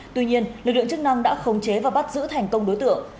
tuy nhiên lực lượng chức năng đã khống chế và bắt giữ thành công đối tượng